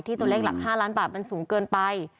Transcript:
ตัวเลขหลัก๕ล้านบาทมันสูงเกินไป